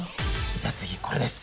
じゃあ次これです。